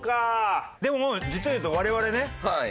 でももう実を言うと我々ね。